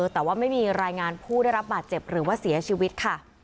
แต่ว่าไม่มีรายงานผู้ได้รับบาดเจ็บหรือว่าเสียชีวิตค่ะ